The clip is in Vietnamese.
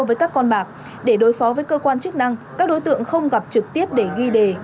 với các con bạc để đối phó với cơ quan chức năng các đối tượng không gặp trực tiếp để ghi đề